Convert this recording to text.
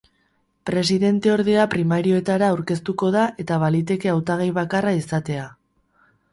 Presidenteordea primarioetara aurkeztuko da eta baliteke hautagai bakarra izatea.